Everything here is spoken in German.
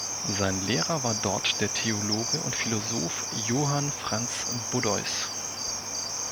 Sein Lehrer war dort der Theologe und Philosoph Johann Franz Buddeus.